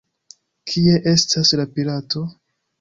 Kie estas la pirato?